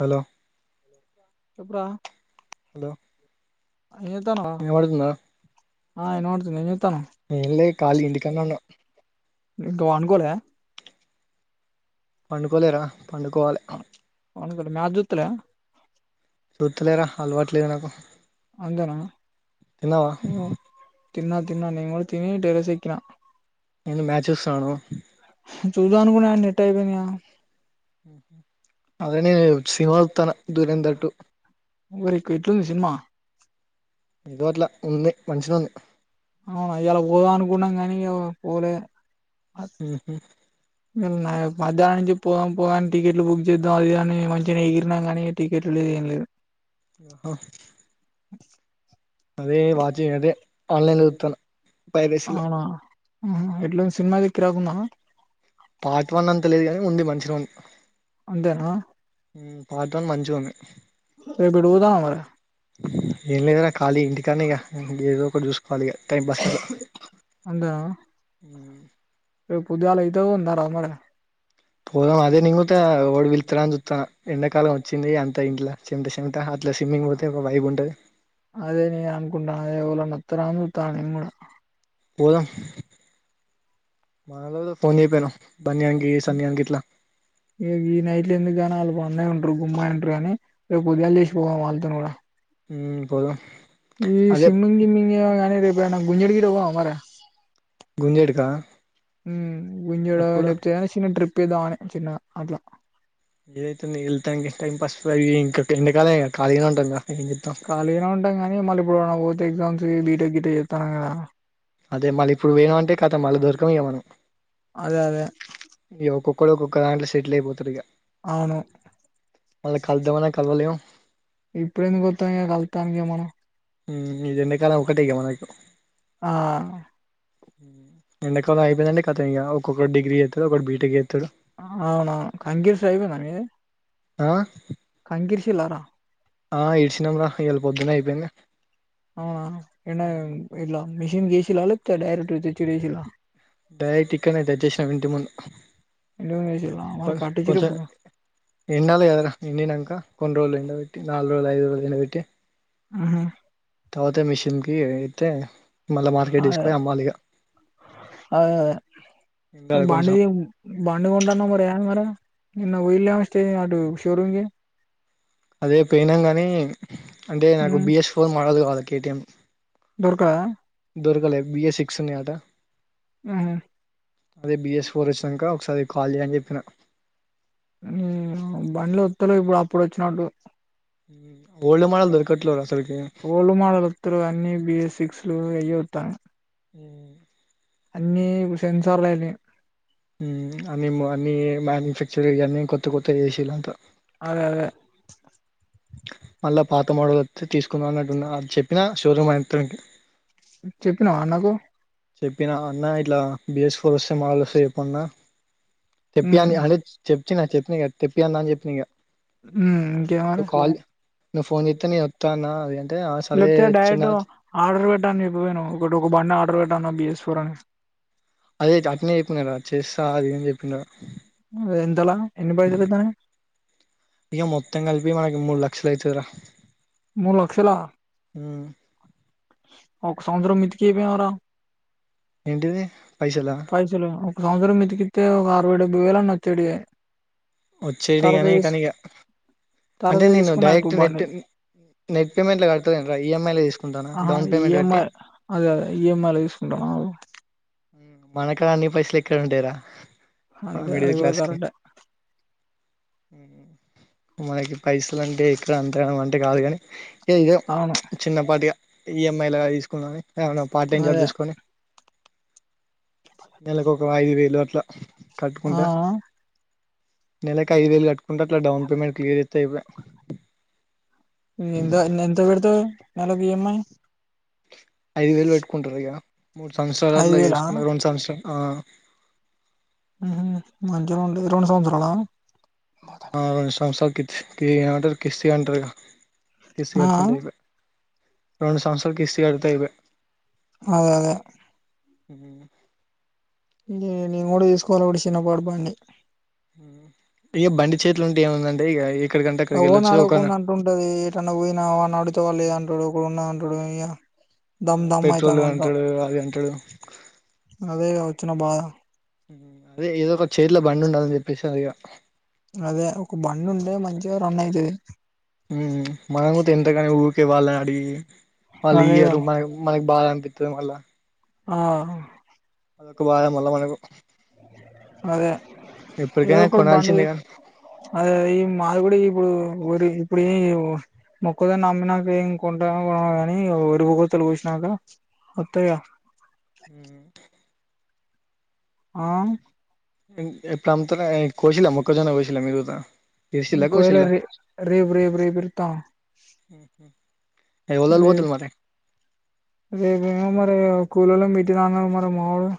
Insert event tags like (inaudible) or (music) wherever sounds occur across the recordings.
Hello చెప్పు రా hello ఏం చేత్తున్నావ్ ఆ ఇనపడుతుంది ఏం చేత్ ఏంలే కాలి ఇంటికానే ఉన్న ఇంక పండుకోలా పండుకోలేరా పండుకోవాలే పనుకోలే మ్యాచ్ చుత్తలే దుత్తలేరా అలవాట్లేదు నాకు అంగనా తిన్నావా ఇంగ తిన్నా తిన్నా నేను కూడా తిని టెర్రసేక్కిన్న నేను మ్యాచ్ చూస్తున్నాను చూద్దాం అనుకున్నా కాని నెట్ అయిపోయింది యా అదనే సినిమా చూస్తున్న ధురేందర్ టూ ఎరికు ఏట్లుంది సినిమా ఇదో అట్ల ఉంది మంచిగానే ఉంది అవునా ఇయ్యాల పోదాం అనుకున్నాం గాని ఇగ పోలే ఉహు మధ్యానం నుంచి పోదాం పోదాం అని టికెట్లు బుక్ చేద్దాం అది కాని మంచిగా ఎగిరినం కానీ టికెట్లు ఏం లేదు ఆహో (inaudible) అదే వాచ్ అదే ఆన్లైన్ లో చూస్తున్న పైరసీలో ఆ ఎట్లా ఉంది సినిమా అది కిరాక్ ఉందా పార్ట్ వన్ అంతా లేదు గాని ఉంది మంచిగానే ఉంది అంతేనా పార్ట్ వన్ మంచిగా ఉంది రేపు ఇటు పోదామా మరి ఏం లేదురా కాళీ ఇంటి కానీగా ఏదో ఎప్పుడు చూసుకోవాలి టైం పాస్ అంతేనా పొద్దుగాల ఇతేఉందాన్నార మరి పోదాం అదే నింగత ఓడు పిలుత్తర అని సుత్తన్న ఎండాకాలం వచ్చింది అంత ఇంట్లో చెట చెమట ఇట్ స్విమ్మింగ్ పోతే వైబ్ ఉంటది అత్తారా అని సుత్తన్న నేను గూడ పోదాం మన్నోళ్లకు ఫోన్ చేయాకపోయినావ్ ఇగ ఈ నైట్ల ఎందుకు కానీ అగు అందయి ఉంట్రారు గుమ్మయి ఉంటారు అని రేపు పొద్దుగాల లేసి పోదాము వాళ్ళతోని కూడా హ్మ్మ్ పోదాం ఈ అదే స్విమ్మింగ్ జిమ్మింగ్ ఎనీ ర గ గుంజడగి రావ అరి గుంజేడుకా గుంజడ లేపోతే కానీ చిన్న ట్రిప్వేద్దాని చిన్న అట్లా ఏదైతుంది వెళ్తా ఇం టైం పాస్ ఇంకా ఎండకాలే ఖాలీగానే ఉంటాంక ఖాళీగానే ఉంటాం కానీ మళ్ళీ ఇప్పుడు పోర్త్ ఎగ్జామ్స్ బీటెక్ గిట్ చేస్తాన్నాం కదా అదే మళ్ళ ఇప్పుడు పోయనం అంటే కతం మళ్ళ దొరకం ఇగా మనం అదే అదే ఇ ఒక్కొక్కడు ఒక్కొక్క దాంట్లో సెటిల్ అయిపోతుడు ఇక అవును మల్లా కలుద్దామన్నా కలువలేము ఇప్పుడేందికుత్తాం ఇ కళ్తానికి మనం హ్మ్మ్ ఇదే ఎండకాలం ఒకటే ఇగ మనకు ఆ ఎండకాలం అయిపోయిందంటె కతం ఇగా ఒక్కొక్కడు డిగ్రీ చేత్తాడు ఒకడు బి టెక్ చే అవునవును కంకీరుశుడు అయిపోయిందా రా మీది ఆ కాంకీరిసిండ్ల రా ఆ ఇరిశినం రా ఇయ్యాల పొద్దున్న అయిపోయింది అవునా ఏన్న ఇ మెషిన్ కే ఏసలా ఇ డైరెక్ట్ తెచ్చి ఈడ ఏసిండ్ల డైరెక్ట్ ఇక్కన్నె తెచ్చి ఏసినం ఇంటి ముందు ఎండేసిలా కొ మరి పట్టించిరు కొంచెం ఇప్పుడు ఎండాలి కదరా ఎండినాక కొన్ని రోజులు ఎండ నాలుగు రోజులు ఐదు రోజులు ఎండపెట్టి ఆహా తర్వాత మిషన్కి ఇగ ఎత్తే మళ్ళా మార్కెట్ తీసుక పోయి అమ్మాలి ఇగా అ బండి బండి కొంటున్నావ్ మరి మార నిన్న పోయిండ్లు ఏమో స్టే అటు షో రూమ్కి అదే పోయినాం కనీ అంటే నాకు ఉమ్ బిఎస్ ఫోర్ మోడల్ కావాల కేటీఎం దొరకదా దొర్కలే బిఏ సిక్స్ ఉన్నాయి అట ఉహు అదే బిఎస్ ఫోర్ వచ్చినాంక ఒకసారి కాల్ చేయ్ అని చెప్పిన మ్ బండ్లు వత్తలే ఇప్పుడు అప్పుడు వచ్చినట్టు ఓల్డ్ మోడల్ దొరకట్లేవు రా అసలుకి ఓల్డ్ మోడల్ వత్తలేవు అన్ని బిఏ సిక్స్లు అయ్యే వత్తానయి అన్నీ ఇప్పుడు సెన్సార్లు అయినయి మ్ అన్ని అన్ని మ్యానుఫ్యాక్చర్ వి అన్ని కొత్త కొత్త చేసీలు అంతా అదే అదే మళ్లా పాత మోడల్ వతే తీసుకుందం అన్నట్టు ఉన్న చెప్పినా షోరూమ్ అతనికి చెప్పినవా అన్నకు చెప్పిన అన్న ఇట్లా బిఎస్ ఫోర్ వస్తే మాల్స్ వస్తే చెప్పు అన్న తెప్పియి ఉమ్ అన అదే చెప్పిన చెప్పిన ఇక తెప్పియి అన్న అని చెప్పిన ఇగ మ్ ఇంకే మరి నువ్వు కాల్ నువ్వు ఫోన్ చేత్తే నేను వత్తా అన్న అది అంటే ఆ సరే లేకపోతే డైరెక్ట్ చిన్న ఆర్డర్ పెట్టు అని చెప్పకపోయినవు ఒకటి ఒక బండి అన్న ఆర్డర్ పెట్టాన్న బి ఎస్ ఫోర్ అని అదే అట్నే చెప్పినారా చేస్తా అది అని చెప్పిన ఎంతలా ఎన్ని పైసలు అయితానాయి ఇక మొత్తం కలిపి మనకి మూడు లక్షలు అయితది రా మూడు లక్షాల ఒక సంవత్సరం మిత్తికి ఇయకపోయినవురా ఏంటిది పైసలా పైసలు ఒక సంవత్సరం మిత్కితే ఒక ఓ డెభ్బై వేలు అన్న వచ్చేటివి వచ్చేటి తర్వాత గాని తీసు కానీ ఇగ అంటే తరువాత నేను తీసుకున్న డైరెక్ట్ అయిపోవు నెట్ బండి నెట్ పేమెంట్ల కడతలేనురా ఈఎంఐ లో తీసుకుంటానా అహా డౌన్ పేమెంట్ కట్టి ఈఎంఐ అదే అదే ఈఎంఐల తీసుకుంటున్నావు మ్ మనకాడ అన్ని పైసలు ఎక్కడ ఉంటాయి రా అంతే అది కూడా కరెక్టే మ్ మనకి పైసలు అంటే ఇక్కడ అంతగనం అంటే కాదు కాని ఇంకే ఇదే అవును చిన్నపాటిగా ఈఎంఐలాగా తీసుకుందాం అని ఏమన్నా పార్ట్ టైం జాబ్ అదే చూసుకొని నెలకు ఒక ఐదు వేలు అట్ల ఆ కట్టుకుంటా ఆ నెలకి ఐదు వేలు కట్టుకుంటే అట్లా డౌన్ పేమెంట్ క్లియర్ చేస్తే అయిపాయే ఎంత ఎంత పెడుతవు నెలకి ఈఎంఐ ఐదు వేలు పెట్టుకుంటారు ఇగ మూడు ఐదు సంవత్సరాలల్ల వేలా చేసుకున్నారు రెండు సంవత్సరాలు ఆ ఉహూ మంచిగా ఉంటది రెండు సంవత్సరాల ఆ రెండు సంవత్సరాలు కిచ్ ఏమంటారు కిస్తీ అంటారు గా కిస్తీ ఆ కట్టుకుంటే అయిపాయే రెండు సంవత్సరాల కిస్తీ కడుతే అయిపా అదే అదే మ్ నేను కూడా తీసుకోవాలి ఒటి చిన్న పాటి బండి మ్ ఎక్కడికంటే అక్కడికి అవ్వని వెళ్ళొచ్చు ఒక అడగకుండా అంటుంటది ఏటన్నా పోయినావా అని అడిగితే వాడు లేదని చూడకుండా అంటడు అయ్యా దమ్ దమ్ పెట్రోల్ అయితాంది అంత అంటాడు అది అంటాడు అదేగా వచ్చిన బాధ మ్ అదే ఏదో ఒక చేతిలో బండి ఉండాలని చెప్పేసి అదిగా అదే ఒక బండి ఉంటే మంచిగా రన్ అయితది మ్ మనం కూడ ఏంతకనీ ఊరికే వాళ్లని అడిగి వాళ్లు అదేగా ఇయరు మన మనకి బాధ అనిపిత్తది మళ్లా ఆ అదొక బాధ మల్ల మనకు అదే ఏదో ఎప్పటికైనా ఒక బండి కొనాల్సిందే కానీ అదే అదే ఈ మాది కూడా ఇప్పుడు ఓరి ఇప్పుడే ఇవ్వు మొక్కదని నమ్మినక ఏం కొంటా కాని ఎరుపుతులు కూసినాక వత్తయిగా హ ఆ తంత నా కోసిండ్రా మొక్కజొన్న కోసిండ్ర మీరు కూడా. ఇ ఇరిసిల్లా కోసిల్లా కోయలేదు రేపు రేపు రేపు పిలుత్తం. ఎవలోళ్ళు రేపు పోతులు మరి రేపు అయినా మరి కూలోళ్ళను పెరైనా అన్నావు మరి మామూలగా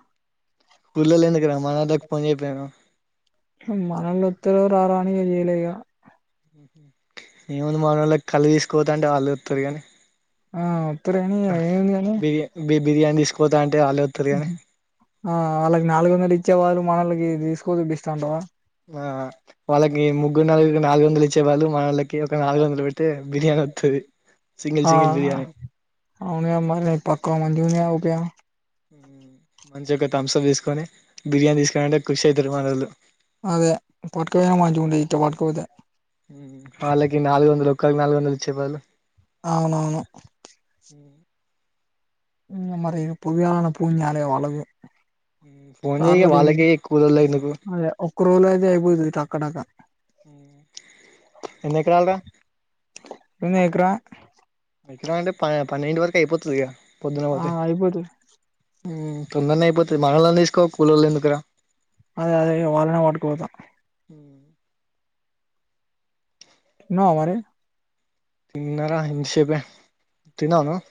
కూలోళ్ళు ఎందుకురా మనోళ్ళకి ఫోన్ చేయిపోయినావ్ మనోళ్లువొత్తారో రా రా ఏం చేయాలే ఇగ ఏముంది మన వాళ్ళకి కల్లు తీసుకు పోతుంటే వాళ్ళే వస్తారు గాని ఆ ఒత్తరని ఏందని బిర్యా బిర్యానీ తీసుకుపోతా అంటే వాళ్ళే వస్తారు కానీ ఆ వాళ్ళకి నాలుగు వందలు ఇచ్చేబదులు మనొల్లకి దీన్నీ తీసుకు పోతే బెస్ట్ అంటావా. ఆ వాళ్ళకి ముగ్గురు నలుగురికి నాలుగు వందలు ఇచ్చే బదులు, మన వాళ్ళకి ఒక నాలుగు వందలు పెట్టి బిర్యానీ. ప వి (unintelligible) ఆ అవునుగా మరి పక్కా మంచిగా ఉన్నాయి ఉపయోగం మంచి గా ఒక తమ్షాప్ తీసుకొని బిర్యానీ తీసుకొని పోయామంటే, కుషి అయితారు అసలు. అదే పట్కపోనా మంచిగుండదు ఇ పట్కపోతే. అవి నాలుగు నిలిచేవాళ్ళు. అవునవును. ఇ మరి పువ్యాన పుణ్య అనే వాళ్లము. ఫోన్ చేయ సారధీ వాళ్ళకి ఎక్కువ రోజులు ఎందుకు అదే ఒక్క రోజులో అయితే అయిపోతాది టక టక. ఎన్ని ఎకరాలు రా అన్నా ఇక్కడికి రా. నిద్ర అంటే ప పన్నెండు వరకు అయిపోతుంది ఇగ. పొద్దున ఆ పోతే అయిపోదు. తొందరనే అయిపోతాది. మనలోనే తీసుకో కూలోళ్ళ్ళు ఎందుకురా? అదే అదే వాళ్ళనే పట్టుకుపోతా. హ తిన్నావా మరి తిన్నారా ఇంతసేపే తిన్నావా నువ్వు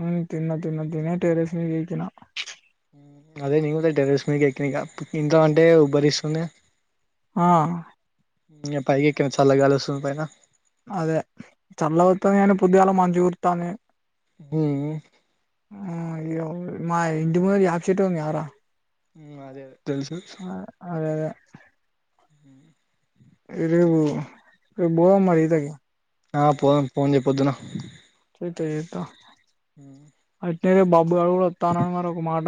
ఉ తిన్నా తిన్నా టేర స్వీకకన్నా (unintelligible) అదే నేను కూడా టెరస్ మీదికి ఎక్కినా ఇంట్లో అంటే ఉబ్బరిస్తుంది. ఆ ఇగ పైకి ఎక్కినా చల్గగాలి వస్తుంది పైన. అదే చల్లగావత్తాంది గాని పొద్దుగాల మంచుకురుతాంది. మ్ హు హ్మ్ ఇగ మా ఇంటి ముందర యాప చెట్టు ఉంది కదరా? మ్ అదే తెలుసు ఆ అదే అదే హ ఇ రేపు రేపుపోదాం మరి ఈతకు. ఆ పోదాం పోన్ చేయ్ పొద్దున. చేస్తా (inaudible) తేరే బాబు గాడు గూడా వత్తాను అన్నారు ఒకమాట.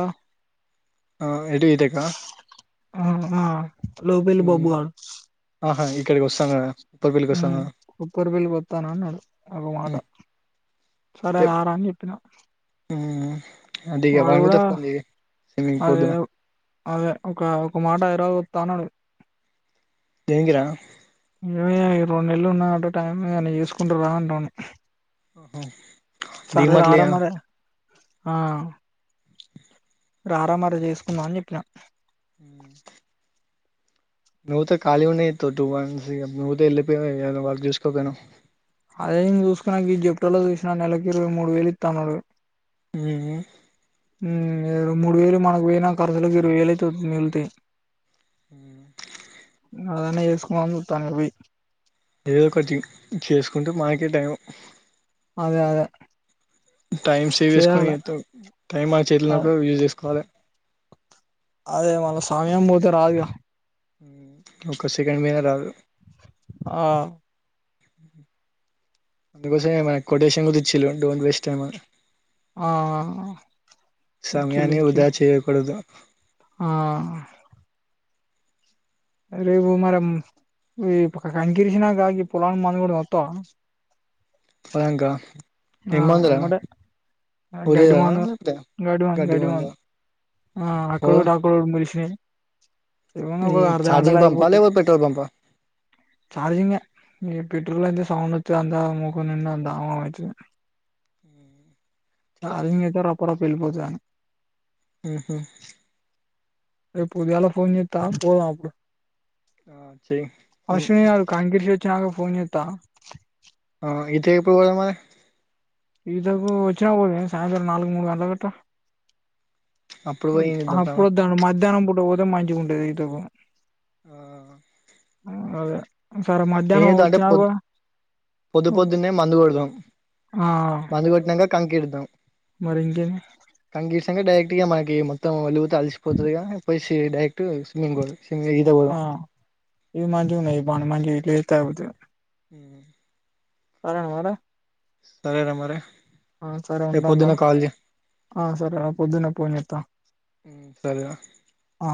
ఆ ఏటు ఇటెక్కా ఆ లోపిల్ బబుగాన్స్. ఆహా ఇక్కడికి వస్తాను కదా ఉప్పరపల్లికి వస్తాను కదా ఉప్పరి వెళ్ళి వస్తాను అన్నాడు ఒక మాట. సరే, రార అని చెప్పిన. ఉ హ్మ్ వాడు కూడా అదే పొద్దున అదే ఒక ఒక మాట హైదరాబాదు తనడు దేనికిరా ఇవె రెండు నెలలు ఉన్నదాట టైం ఏమన్న చేసుకుంటర అంటండు డీమార్ట్ లే ఆ మరి ఆ రారామరి చేసుకుందాం అని చెప్పిన ఊ నువ్వుత కాలి ఉండి ఏం జెతవ్ టు మంత్స్ ఇక నువ్వు త వెళ్లిపో ఏమన్న వర్క్ చూసుకోపోనవ్ అదే నేన్ చూసుకున్న ఈ జప్టోలో చూసిన నెలకి ఇరవై మూడు వేలు ఇత్త అన్నరు ఊ ఏరు మూడు వేలు మనకు పోయినా ఖర్చులకు ఇరవ వేలయితే ఓడ్ మిళ్తయి ఊ అదన్న చేసుకుందాం అని చూతన్న ఒయ్ ఏదో ఒకటి చేసుకుంటే మనకే టైము అదే అదే టైం సేవ్ చేసుకొని ఏం చేయాల జెతవ్ టైం మన చేతిలునప్పుడు యూజ్ చేసుకోవాలి అదే మన సమయం పోతే రాదుగా ఊ ఒక సెకండ్ పోయిన రాదు ఆ అందుకోసమే మన కొటేషన్ కూడా ఇచ్చింలు డోంట్ వేస్ట్ టైం అని ఆ ఇచ్చిళ్ళు సమయాన్ని ఉదా ఇచ్చిళ్ళు చేయకూడదు ఆ అరేవో మరం ఈ పొక కంకి గిర్సినక పొలానికి మందు కొడదాం వస్తావా పొలంక ఆ ఎమటే గడ్డి యూరియా నా మందు లేకపోతే గడ్డి మందు గడ్డి మందు ఆ ఓ అక్కడోటి అక్కడోటి మొలిసినయ్ ఏముంది ఒక అర్ధ గంటల ఛార్జింగ్ పంపా అయిపోతది లేకపోతే పెట్రోల్ పంపా చార్జింగ్ నీప్ పెట్రోల్ అయితే సౌండ్ వచి అంతా ముఖం నిండా దా అచ్చియ్ చార్జింగ్ అయితే రప రప వెళ్ళిపోతాదని ఊహు రేపు పొద్దుగాల ఫోన్ చేస్తా పోదామా అప్పుడు ఆ చెయ్ చిన్నాక ఫోన్ చేస్తా ఆ ఐతే ఎప్పుడు పోదాం మరి ఈతకు వచ్చినాపుడే సాయంత్రం నాలుగు మూడు గంటల గట్ట్రా అప్పుడు పోయి ఏం చేద్దాం పా అప్పుడు ఒదండి మధ్యాహ్నం పూట పోతే మంచిగుంటది ఈతకు ఆ ఆ, అదే సరే మధ్యాహ్నం ఏదంటే వచ్చినా పొద్ కూడా పొద్దు పొద్దున్నే మందు కొడదాం ఆ మందు కొట్టినంక కంకిరుదాం మరి ఇంకేమి కంకిరిసినంక డైరెక్ట్ ఇగ మనకి ఏం మొత్తం వెళ్ళిపోతే అలిసిపోతుదిగా పోసి డైరెక్ట్ స్విమ్మింగ్ కు పోదాం ఆ ఇది మంచిగుంది ఈ పని మంచిది ఇట్ల చేతే ఐపోతది ఊ ఎవరన్న పోతే సరే ర మరి ఆ సరే రేపు ఉంటాను రా పొద్దున కాల్ చెయ్ ఆ సరేర పొద్దున్నే పోన్ జేత్తా ఊ సరేరా అ